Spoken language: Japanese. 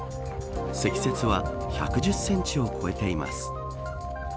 積雪は１１０センチを超えています。